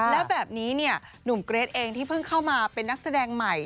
แล้วแบบนี้เนี่ยหนุ่มเกรทเองที่เพิ่งเข้ามาเป็นนักแสดงใหม่